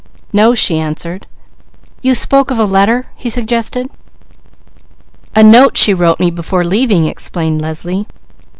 "No," she answered. "You spoke of a letter " he suggested. "A note she wrote me before leaving," explained Leslie.